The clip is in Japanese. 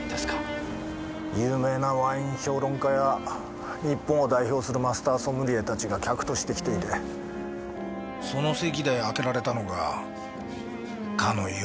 有名なワイン評論家や日本を代表するマスターソムリエたちが客として来ていてその席で開けられたのがかの有名な「ロマネ・コンティ」だった。